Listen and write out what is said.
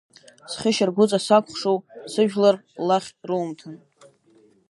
Зхьышьаргәыҵа сакәхшоу, сыжәлар лахь румҭан!